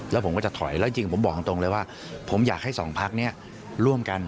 แล้วจริงผมบอกตรงเลยว่าผมอยากให้สองภาคเนี่ยร่วมกัน